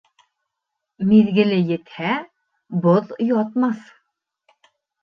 Миҙгеле етһә, боҙ ятмаҫ.